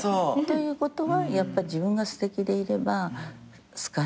ということはやっぱ自分がすてきでいれば好かれやすい。